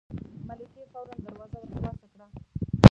ملکې فوراً دروازه ور خلاصه کړه.